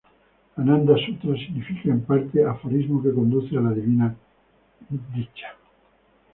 Ananda Sutra significa, en parte, "aforismo que conduce a la Dicha Divina".